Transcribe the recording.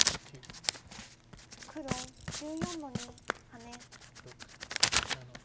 黒１４の二ハネ。